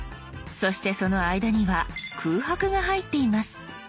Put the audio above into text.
そしてその間には空白が入っています。